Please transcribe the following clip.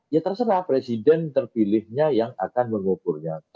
ya terserah presiden terpilihnya yang akan mengukurnya